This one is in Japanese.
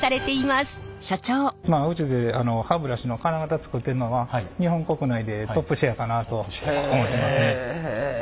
まあうちで歯ブラシの金型作ってるのは日本国内でトップシェアかなと思ってますね。